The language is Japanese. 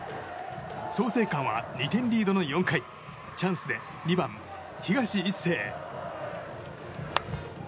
創成館は２点リードの４回チャンスで２番、東壱星。